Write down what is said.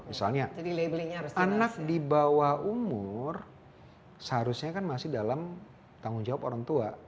misalnya anak di bawah umur seharusnya kan masih dalam tanggung jawab orang tua